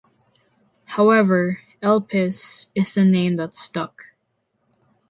However, Elpis is the name that stuck.